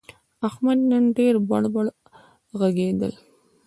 احمد نن ډېر بړ بړ ږغېدل.